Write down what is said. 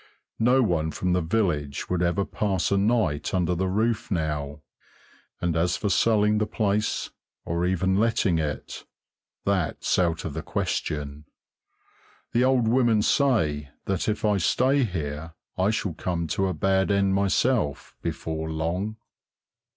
No one from the village would ever pass a night under the roof now, and as for selling the place, or even letting it, that's out of the question. The old women say that if I stay here I shall come to a bad end myself before long.